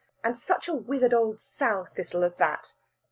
And such a withered old sow thistle as that!